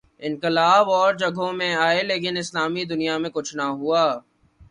انقلاب اور جگہوں میں آئے لیکن اسلامی دنیا میں کچھ نہ ہوا۔